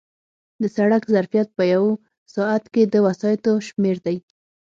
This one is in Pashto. د سړک ظرفیت په یو ساعت کې د وسایطو شمېر دی